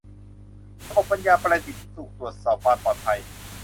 ระบบปัญญาประดิษฐ์ที่ถูกตรวจสอบความปลอดภัย